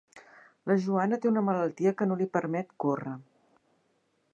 La Joana té una malaltia que no li permet córrer.